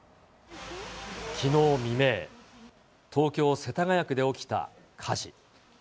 きのう未明、東京・世田谷区で起きた火事。